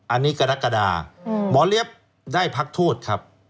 อันนี้กรกฎาหมอเลี้ยบได้พักโทษครับ